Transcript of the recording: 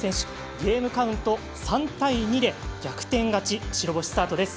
ゲームカウント３対２で逆転勝ち、白星スタートです。